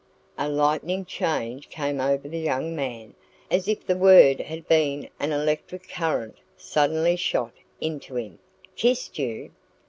A lightning change came over the young man, as if the word had been an electric current suddenly shot into him. "KISSED YOU?"